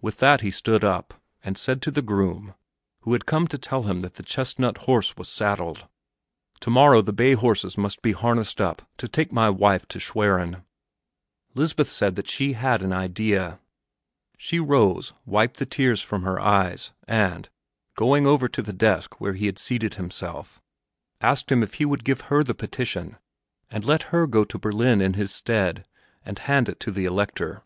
With that he stood up and said to the groom who had come to tell him that the chestnut horse was saddled, "To morrow the bay horses must be harnessed up to take my wife to Schwerin." Lisbeth said that she had an idea! She rose, wiped the tears from her eyes, and, going over to the desk where he had seated himself, asked him if he would give her the petition and let her go to Berlin in his stead and hand it to the Elector.